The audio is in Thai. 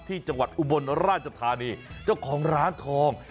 จังหวัดอุบลราชธานีเจ้าของร้านทอง